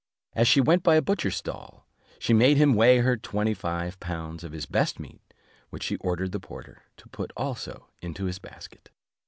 As she went by a butcher's stall, she made him weigh her twenty five pounds of his best meat, which she ordered the porter to put also into his basket.